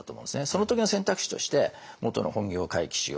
その時の選択肢としてもとの本業回帰しよう。